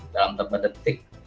dalam beberapa detik